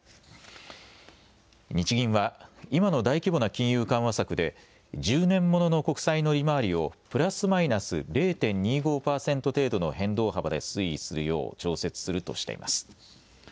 日銀は今の大規模な金融緩和策で１０年ものの国債の利回りをプラスマイナス０．２５％程度の変動幅で推移するよう調節するとしています。